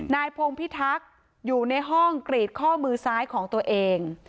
นายพงพิทักษ์อยู่ในห้องกรีดข้อมือซ้ายของตัวเอง